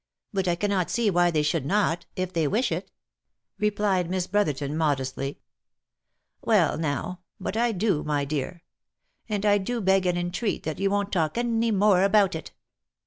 — But I cannot see why they should not — if they wish it," replied Miss Brotherton, modestly. " Well now, but I do, my dear. And I do beg and entreat that you won't talk any more about it.